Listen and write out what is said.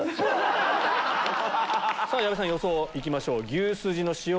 矢部さん予想行きましょう。